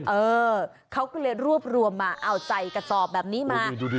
เออเขาก็เลยรวบรวมมาเอาใจกระสอบแบบนี้มา